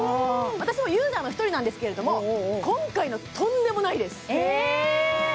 私もユーザーの１人なんですけれども今回のとんでもないですえーっ！